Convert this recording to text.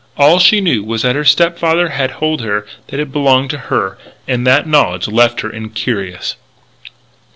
All she knew was that her stepfather had told her that it belonged to her. And the knowledge left her incurious.